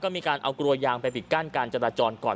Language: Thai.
มีการเอากลัวยางไปปิดกั้นการจราจรก่อน